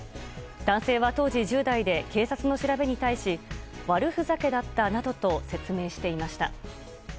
男性は当時１０代で警察の調べに対し悪ふざけだったなどと説明していました。